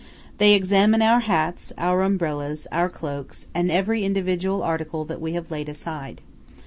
They examine our hats, our umbrellas, our cloaks, and every individual article that we have laid aside.